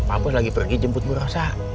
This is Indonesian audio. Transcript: pak bos lagi pergi jemput bu rossa